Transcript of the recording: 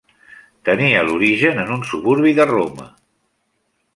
Tenia origen en un suburbi de Roma.